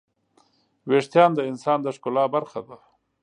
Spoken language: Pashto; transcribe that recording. وېښتيان د انسان د ښکلا برخه ده.